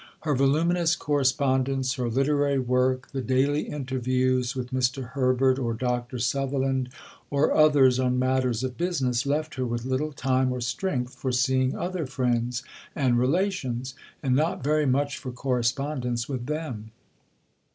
Her voluminous correspondence, her literary work, the daily interviews with Mr. Herbert or Dr. Sutherland or others on matters of business, left her with little time or strength for seeing other friends and relations, and not very much for correspondence with them.